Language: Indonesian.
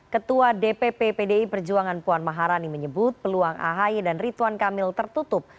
ketua dpp pdi perjuangan puan maharani menyebut peluang ahi dan ritwan kamil tertutup